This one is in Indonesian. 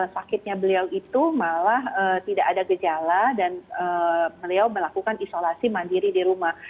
sakitnya beliau itu malah tidak ada gejala dan beliau melakukan isolasi mandiri di rumah